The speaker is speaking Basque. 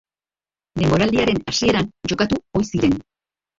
Denboraldiaren hasieran jokatu ohi ziren.